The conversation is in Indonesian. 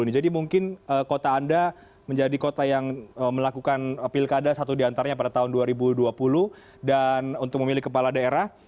jadi mungkin kota anda menjadi kota yang melakukan pilkada satu diantaranya pada tahun dua ribu dua puluh dan untuk memilih kepala daerah